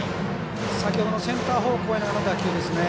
先ほどのセンター方向への打球ですね。